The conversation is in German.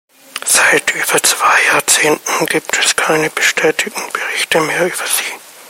Seit über zwei Jahrzehnten gibt es keine bestätigten Berichte mehr über sie.